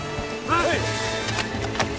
はい！